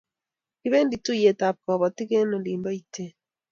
Kibendi tuiyet ab kabotik eng olin po Iten